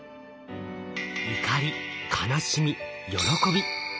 怒り悲しみ喜び。